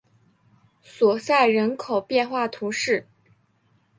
索赛人口变化图示